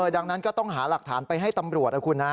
ดังนั้นก็ต้องหาหลักฐานไปให้ตำรวจนะคุณนะ